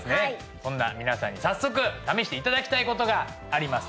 そんな皆さんに早速試していただきたいことがあります